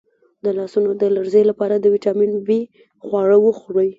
د لاسونو د لرزې لپاره د ویټامین بي خواړه وخورئ